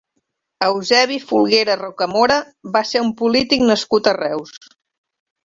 Eusebi Folguera Rocamora va ser un polític nascut a Reus.